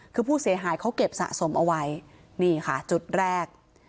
คือผู้เสียหายเขาเก็บสะสมเอาไว้นี่ค่ะจุดแรก